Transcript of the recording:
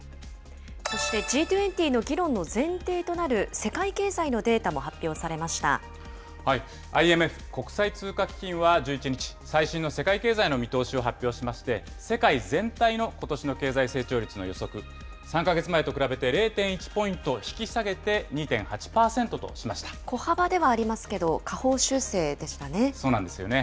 そしてＧ２０の議論の前提となる、世界経済のデータも発表さＩＭＦ・国際通貨基金は１１日、最新の世界経済の見通しを発表しまして、世界全体のことしの経済成長率の予測、３か月前と比べて０．１ポイント引き下げて２．小幅ではありますけど、下方そうなんですよね。